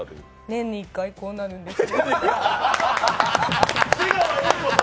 年に一回、こうなるんです。